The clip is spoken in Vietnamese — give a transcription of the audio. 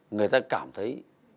người ta cảm thấy